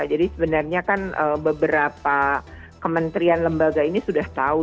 jadi sebenarnya kan beberapa kementerian lembaga ini sudah tahu